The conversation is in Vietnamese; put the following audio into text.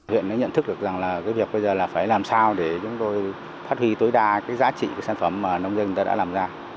huyện đã nhận thức được rằng là cái việc bây giờ là phải làm sao để chúng tôi phát huy tối đa cái giá trị của sản phẩm mà nông dân người ta đã làm ra